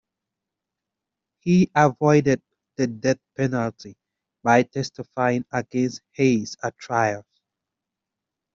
He avoided the death penalty by testifying against Hays at trial.